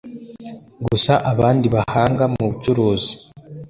Gusa abandi bahanga mu bucuruzi